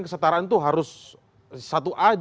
kesetaraan itu harus satu a